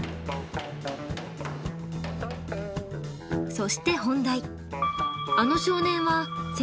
そして本題。